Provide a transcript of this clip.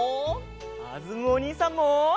かずむおにいさんも！